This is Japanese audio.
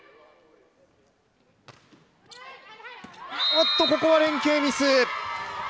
あっと、ここは連係ミス。